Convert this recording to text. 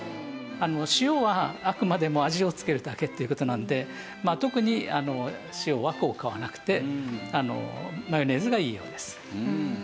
塩はあくまでも味を付けるだけっていう事なので特に塩は効果はなくてマヨネーズがいいようです。